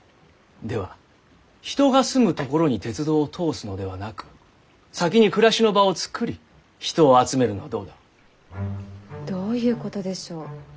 では人が住むところに鉄道を通すのではなく先に暮らしの場をつくり人を集めるのはどうだろう？どういうことでしょう？